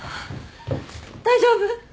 大丈夫？